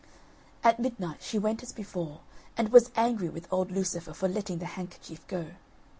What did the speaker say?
At midnight she went as before, and was angry with old Lucifer for letting the handkerchief go.